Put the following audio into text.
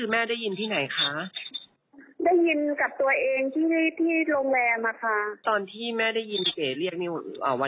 แม่เวลานี้มาแม่จะเรียกลูกว่า